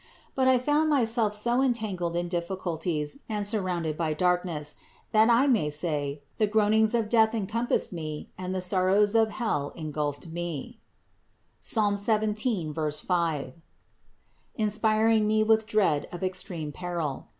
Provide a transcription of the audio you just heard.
But I found myself so entangled in diffi culties and surrounded by darkness, that I may say, the groanings of death encompassed me and the sorrows of hell engulfed me (Ps. 17, 5) inspiring me with dread of extreme peril.